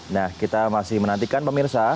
nah kita masih menantikan pemirsa